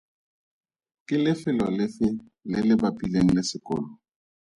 Ke lefelo lefe le le bapileng le sekolo?